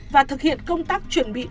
và thực hiện công tác chuẩn bị đầu tư